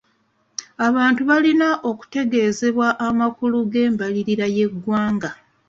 Abantu balina okutegezebwa amakulu g'embalirira y'egwanga.